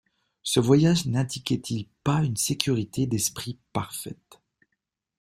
Ce voyage n'indiquait-il pas une sécurité d'esprit parfaite?